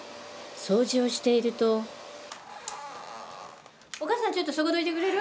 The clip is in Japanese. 掃除をしているとお母さんちょっとそこどいてくれる？